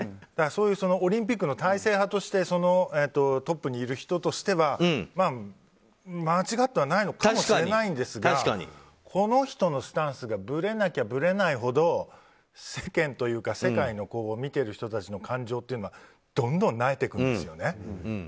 そういうオリンピックの体制派としてトップにいる人としては間違ってはないのかもしれないんですがこの人のスタンスがぶれなきゃぶれないほど世間というか、世界の見ている人たちの感情というのはどんどん萎えてくるんですよね。